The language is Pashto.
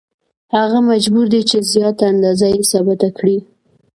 هغه مجبور دی چې زیاته اندازه یې ثابته کړي